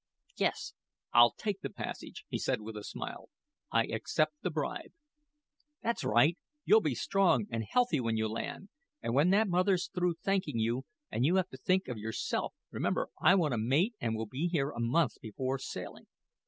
"Yes, I'll take the passage," he said, with a smile. "I accept the bribe." "That's right. You'll be strong and healthy when you land, and when that mother's through thanking you, and you have to think of yourself, remember I want a mate and will be here a month before sailing.